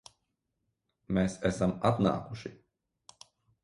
Mēs esam atnākuši